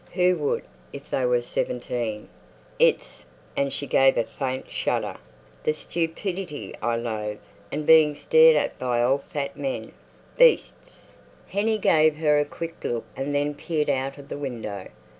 Who would—if they were seventeen! It's"—and she gave a faint shudder—"the stupidity I loathe, and being stared at by old fat men. Beasts!" Hennie gave her a quick look and then peered out of the window.